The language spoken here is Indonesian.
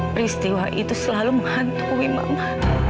peristiwa itu selalu menghantui mama